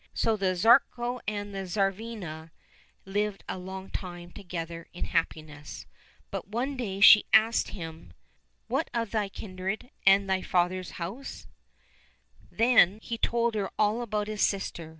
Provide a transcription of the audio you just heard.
So the Tsarevko and the Tsarivna lived a long time together in happiness, but one day she asked him, " What of thy kindred and thy father's house }" Then 78 LITTLE TSAR NOVISHNY he told her all about his sister.